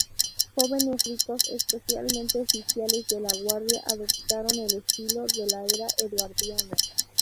Jóvenes ricos, especialmente oficiales de la guardia, adoptaron el estilo de la era eduardiana.